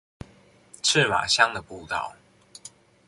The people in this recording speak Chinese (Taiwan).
赤馬鄉的步道